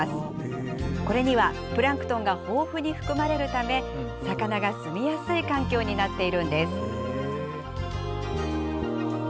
これにはプランクトンが豊富に含まれるため魚が住みやすい環境になっているんです。